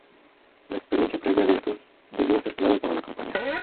La experiencia previa de estos debió ser clave para la campaña.